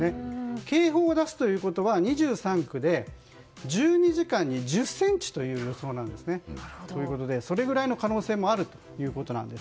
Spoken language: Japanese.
警報を出すということは２３区で１２時間に１０ｃｍという予想なんですね。ということで、それくらいの可能性もあるということなんです。